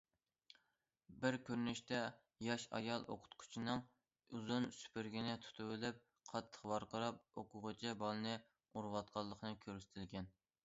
بىر كۆرۈنۈشتە ياش ئايال ئوقۇتقۇچىنىڭ ئۇزۇن سۈپۈرگىنى تۇتۇۋېلىپ قاتتىق ۋارقىراپ ئوقۇغۇچى بالىنى ئۇرۇۋاتقانلىقى كۆرسىتىلگەن.